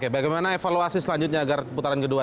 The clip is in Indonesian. bagaimana evaluasi selanjutnya agar putaran kedua